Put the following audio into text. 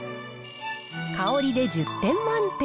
香りで１０点満点。